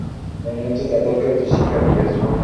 মনে হচ্ছে তাদেরকে উচিৎ শিক্ষা দিয়েছো।